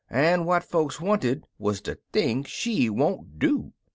An' what folks wanted wuz de thing she won't do.